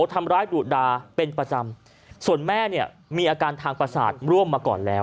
ทำร้ายดุดาเป็นประจำส่วนแม่เนี่ยมีอาการทางประสาทร่วมมาก่อนแล้ว